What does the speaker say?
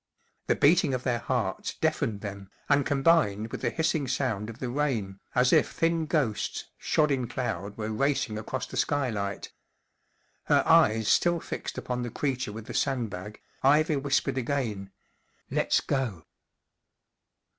The beating of their hearts deafened them, and combined with the hissing sound of the rain, as if thin ghosts shod in cloud were racing across the skylight. Her eyes still fixed upon the creature with the sandbag, Ivy whispered again : 44 Let's go."